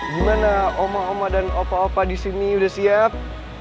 gimana oma oma dan opa opa disini udah siap